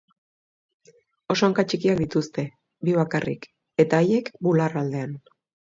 Oso hanka txikiak dituzte, bi bakarrik, eta haiek bularraldean.